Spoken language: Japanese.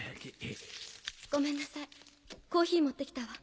ごめんなさいコーヒー持って来たわ。